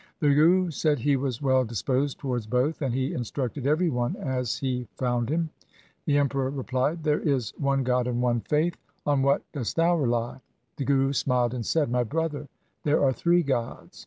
The Guru said he was well disposed towards both, and he instructed every one as he found him. The Emperor replied :' There is one God and one faith. On what dost thou rely ?' The Guru smiled and said, ' My brother, there are three Gods.'